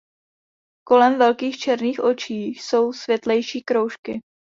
Kolem velkých černých očí jsou světlejší kroužky.